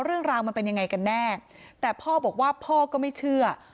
เรื่องราวมันเป็นยังไงกันแน่แต่พ่อบอกว่าพ่อก็ไม่เชื่อ